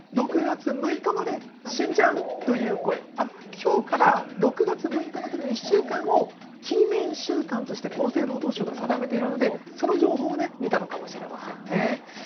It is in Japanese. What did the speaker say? きょうから６月６日までの１週間を禁煙週間として厚生労働省が定めているのでその情報を見たのかもしれませんね。